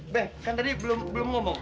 beh kan tadi belum ngomong